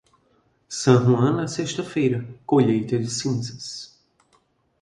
San Juan na sexta-feira, colheita de cinzas.